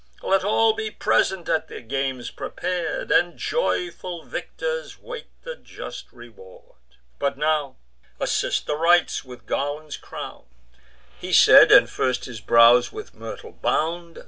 Let all be present at the games prepar'd, And joyful victors wait the just reward. But now assist the rites, with garlands crown'd." He said, and first his brows with myrtle bound.